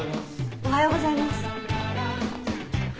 おはようございます。